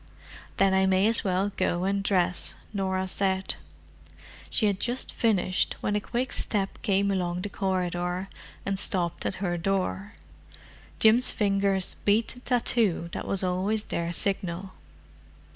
"Then I may as well go and dress," Norah said. She had just finished when a quick step came along the corridor, and stopped at her door. Jim's fingers beat the tattoo that was always their signal.